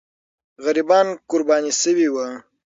غریبان قرباني سوي وو.